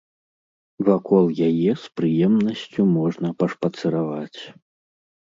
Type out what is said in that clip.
Вакол яе з прыемнасцю можна пашпацыраваць.